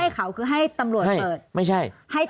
ให้ข่าวคือให้ตำรวจเปิด